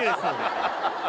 ハハハハ。